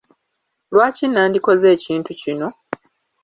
Lwaki nandikoze ekintu kino ?